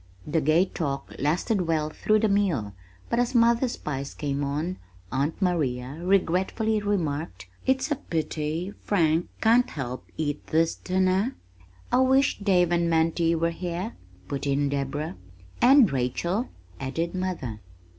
The gay talk lasted well through the meal, but as mother's pies came on, Aunt Maria regretfully remarked, "It's a pity Frank can't help eat this dinner." "I wish Dave and Mantie were here," put in Deborah. "And Rachel," added mother.